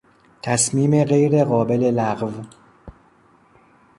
تصمیم غیر قابل لغو